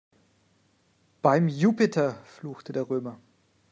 "Beim Jupiter!", fluchte der Römer.